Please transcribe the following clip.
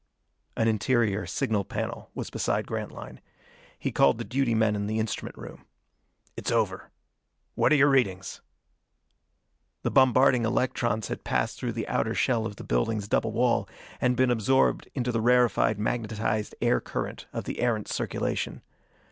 An interior signal panel was beside Grantline. He called the duty men in the instrument room. "It's over. What are your readings?" The bombarding electrons had passed through the outer shell of the building's double wall, and been absorbed in the rarefied, magnetized air current of the Erentz circulation.